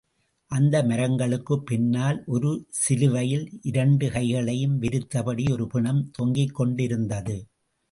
அந்த மரங்களுக்குப் பின்னால் ஒரு சிலுவையில், இரண்டு கைகளையும் விரித்தபடி ஒரு பிணம் தொங்கிக் கொண்டிருந்தது.